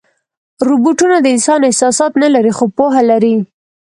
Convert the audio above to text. روبوټونه د انسان احساسات نه لري، خو پوهه لري.